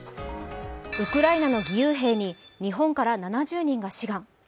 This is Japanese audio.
ウクライナの義勇兵に日本から７０人が志願。